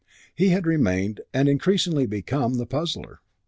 He had remained, and increasingly become, the puzzler.